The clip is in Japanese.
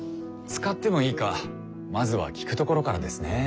使ってもいいかまずは聞くところからですね。